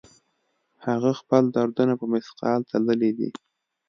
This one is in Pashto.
هغه خپل دردونه په مثقال تللي دي